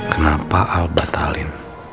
kenapa al batalin